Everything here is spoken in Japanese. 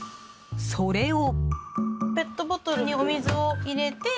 それを。